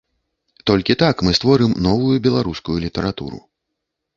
Толькі так мы створым новую беларускую літаратуру.